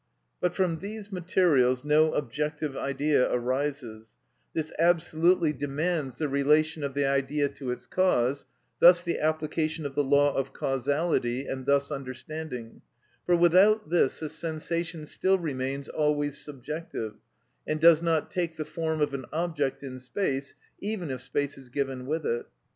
But from these materials no objective idea arises: this absolutely demands the relation of the idea to its cause, thus the application of the law of causality, and thus understanding; for without this the sensation still remains always subjective, and does not take the form of an object in space, even if space is given with it.